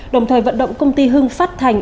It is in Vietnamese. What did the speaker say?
đồng thời vận động công ty hưng phát thành